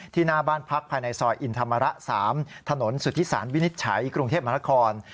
หน้าบ้านพักภายในซอยอินธรรมระ๓ถนนสุธิสารวินิจฉัยกรุงเทพมหานคร